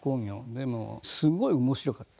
でもすごい面白かった。